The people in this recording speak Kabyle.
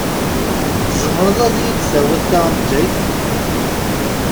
Tzemreḍ ad yid-tawiḍ taɣejayt?